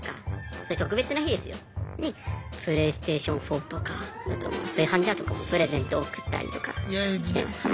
そういう特別な日ですよにプレイステーション４とかあと炊飯ジャーとかもプレゼント贈ったりとかしてますね。